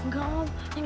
terima tolong neng